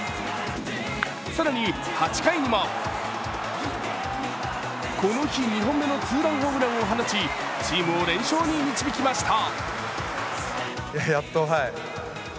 更に８回にはこの日２本目のツーランホームランを放ち、チームを連勝に導きました。